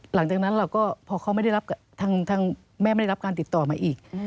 หลังจากนั้นพอทางแม่ไม่ได้รับการติดต่อมาอีก